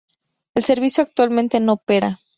El servicio actualmente no opera.